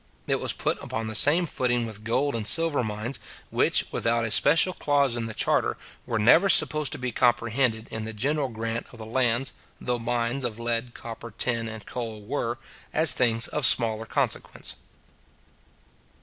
It was put upon the same footing with gold and silver mines, which, without a special clause in the charter, were never supposed to be comprehended in the general grant of the lands, though mines of lead, copper, tin, and coal were, as things of smaller consequence.